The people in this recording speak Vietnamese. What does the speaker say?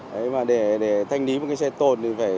đấy mà để thanh lý một cái xe tồn thì phải